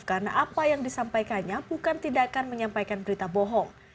karena apa yang disampaikannya bukan tidak akan menyampaikan berita bohong